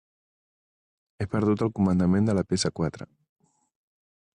He perdut el comandament de la pe essa quatre.